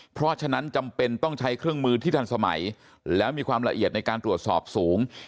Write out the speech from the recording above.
เพราะฉะนั้นจำเป็นต้องใช้เครื่องมือที่ทันสมัยแล้วมีความละเอียดในการตรวจสอบสูง